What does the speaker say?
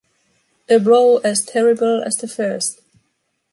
A blow as terrible as the first.